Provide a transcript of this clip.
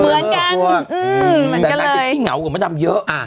แต่นางที่เหงากับมะดำเยอะ